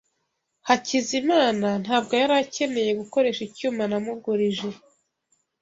Hakizimana ntabwo yari akeneye gukoresha icyuma namugurije.